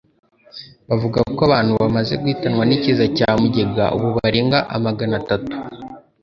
bavuga ko abantu bamaze guhitanwa n'ikiza cya mugiga ubu barenga amagana atatu.